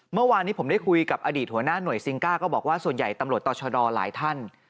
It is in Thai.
เมื่อวานนี้ผมได้คุยกับอดีตหัวหน้าหน่วยซิงก้าก็บอกว่าส่วนใหญ่ตำรวจต่อชะดอหลายท่าน